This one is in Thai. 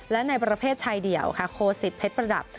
และในประเภทชายเดี่ยวค่ะโคสิตเพชรประดับ